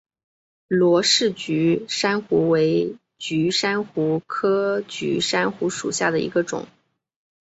罗氏菊珊瑚为菊珊瑚科菊珊瑚属下的一个种。